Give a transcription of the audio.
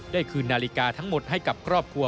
คืนนาฬิกาทั้งหมดให้กับครอบครัว